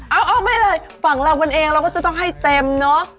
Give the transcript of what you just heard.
เอาไม่เลยฝั่งเรากันเองเราก็จะต้องให้เต็มเนอะ